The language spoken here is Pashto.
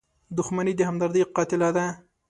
• دښمني د همدردۍ قاتله ده.